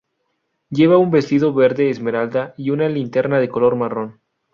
Lleva un vestido verde esmeralda y una linterna de color marrón.